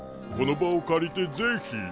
この場を借りて是非。